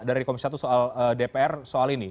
dari komisi satu soal dpr soal ini